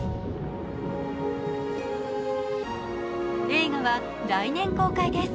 映画は来年公開です。